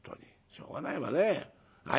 「しょうがないわね。はい」。